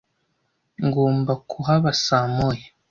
Ngomba kuhaba saa moya.